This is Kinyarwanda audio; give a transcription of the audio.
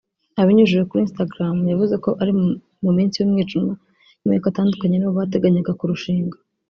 Abinyujije kuri Instagram yavuze ko ari mu minsi y’umwijima nyuma y’uko atandukanye n’uwo bateganyaga kurushinga